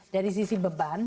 dari sisi beban